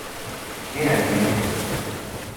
Era evident.